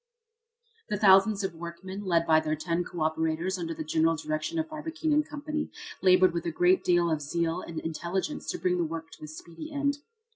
The thousands of workmen, led by their ten co operators under the general direction of Barbicane & Co., labored with a great deal of zeal and intelligence to bring the work to a speedy end.